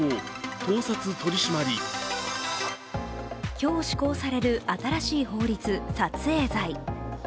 今日施行される新しい法律、撮影罪。